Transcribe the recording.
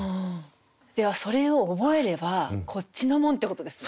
ではそれを覚えればこっちのもんってことですね。